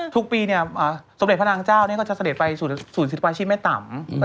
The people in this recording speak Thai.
ทุกปีสมเด็จพระนางเจ้าก็จะเสด็จไปศูนย์ศิลปาชีพแม่ต่ำ